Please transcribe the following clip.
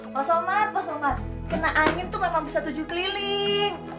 pak soman pak soman kena angin tuh memang bisa tujuh keliling